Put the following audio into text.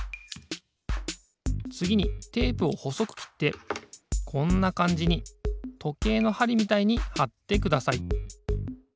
つぎにテープをほそくきってこんなかんじにとけいのはりみたいにはってください。